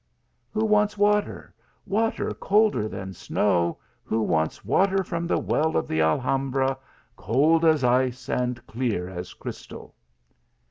Who wants water water colder than snow who wants, water from the well of the Alhambra cold as ice and clear as crys tal